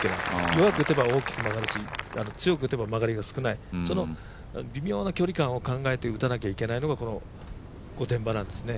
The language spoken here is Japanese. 弱く打てば大きく曲がるし、強く打てば曲がりが少ない、その微妙な距離感を考えて打たなければいけないのがこの御殿場なんですね。